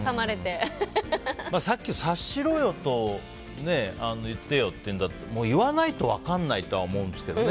さっき、察しろよと言ってよというのがあったけどもう言わないと分からないとは思うんですけどね